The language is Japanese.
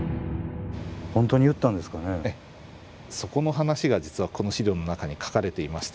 そこの話が実はこの資料の中に書かれていまして。